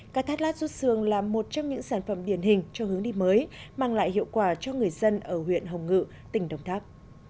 cá thắt lát rút xương là một trong những sản phẩm điển hình cho hướng đi mới mang lại hiệu quả cho người dân ở huyện hồng ngự tỉnh đồng tháp